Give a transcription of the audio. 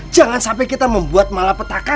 jangan sampai kita membuat malapetaka